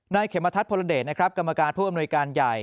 เขมทัศพรเดชนะครับกรรมการผู้อำนวยการใหญ่